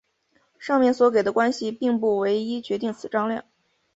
上面所给的关系并不唯一决定此张量。